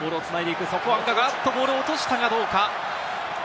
ボール落としたが、どうか？